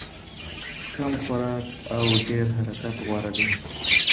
کم خوراک او ډېر حرکت غوره دی.